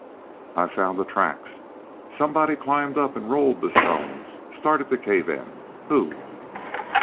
"I've found the tracks! Somebody climbed up and rolled the stones, started the cave in. Who?"